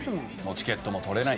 チケットも取れない。